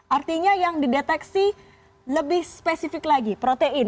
artinya yang dideteksi lebih spesifik lagi protein